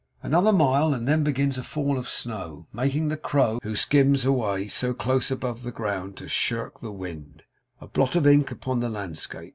Another mile, and then begins a fall of snow, making the crow, who skims away so close above the ground to shirk the wind, a blot of ink upon the landscape.